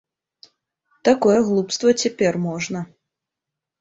Такое глупства цяпер можна.